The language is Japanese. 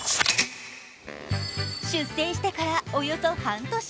出生してからおよそ半年。